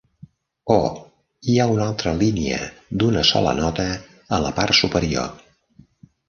Oh, i hi ha una altra línia d'una sola nota a la part superior.